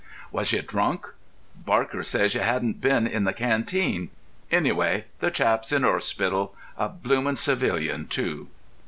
"Was you drunk? Barker says you hadn't been in the canteen. Anyway, the chap's in 'orspital. A blooming civilian, too!"